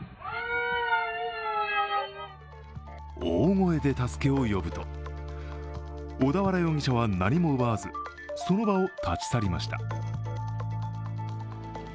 大声で助けを呼ぶと、小田原容疑者は何も奪わず、その場を立ち去りました。